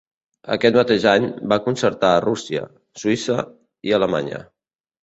Aquest mateix any, va concertar a Rússia, Suïssa i Alemanya.